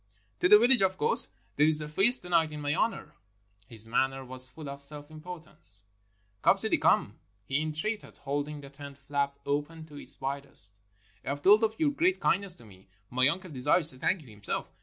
"To the village, of course. There is a feast to night in my honor." His manner was full of self importance. "Come, Sidi, come," he entreated, holding the tent flap open to its widest. "I have told of your great kind ness to me. My uncle desires to thank you himself.